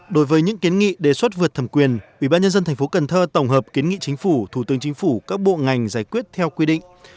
đối với những kiến nghị đề xuất vượt thẩm quyền ủy ban nhân dân tp cần thơ tổng hợp kiến nghị chính phủ thủ tướng chính phủ các bộ ngành giải quyết theo quy định